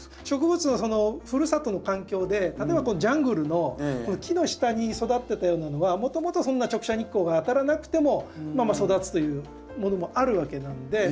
植物はそのふるさとの環境で例えばジャングルの木の下に育ってたようなのはもともとそんな直射日光が当たらなくてもまあ育つというものもあるわけなので。